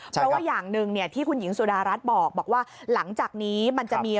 เพราะว่าอย่างหนึ่งที่คุณหญิงสุดารัฐบอกว่าหลังจากนี้มันจะมี